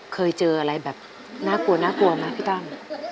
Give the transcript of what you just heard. เคยเจออะไรแบบน่ากลัวมาครับพี่ตั้ม